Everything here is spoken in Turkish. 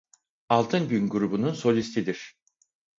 Altın Gün grubunun solistidir.